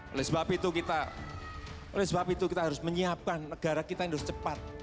oleh sebab itu kita harus menyiapkan negara kita yang harus cepat